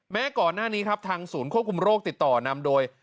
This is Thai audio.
ก่อนหน้านี้ครับทางศูนย์ควบคุมโรคติดต่อนำโดย